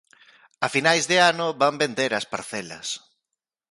A finais de ano van vender as parcelas.